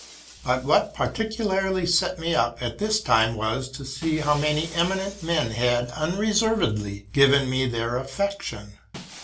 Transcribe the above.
But what particularly set me up at this time was, to see how many eminent men had, undeservedly, given me their affection.